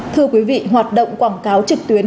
thưa quý vị hoạt động quảng cáo trực tuyến